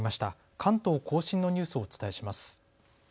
関東甲信のニュースをお伝えします。